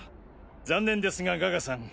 残念ですがガガさん